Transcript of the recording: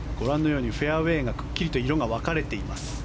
フェアウェーがくっきりと色が分かれています。